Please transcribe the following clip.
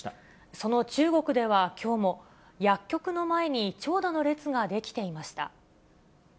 その中国ではきょうも、薬局の前に長蛇の列が出来ていました。